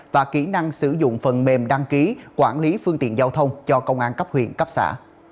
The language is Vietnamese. và kỹ năng sử dụng phần mềm đăng ký quản lý phương tiện giao thông cho công an cấp huyện cấp xã